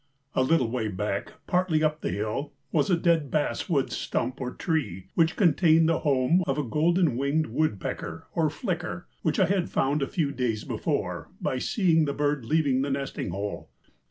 A little way back, partly up the hill, was a dead basswood stump or tree, which contained the home of a golden winged woodpecker or flicker, which I had found a few days before by seeing the bird leaving the nesting hole.